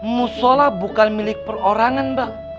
musola bukan milik perorangan mbak